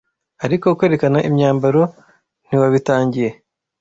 ariko kwerekana imyambaro ntiwabitangiye